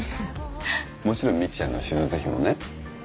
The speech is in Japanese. もちろん未希ちゃんの手術費もね。